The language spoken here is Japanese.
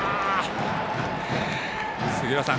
杉浦さん